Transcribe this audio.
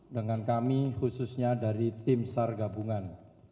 dengan kami khususnya dari tim sargabungan